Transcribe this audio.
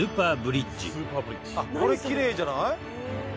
これきれいじゃない？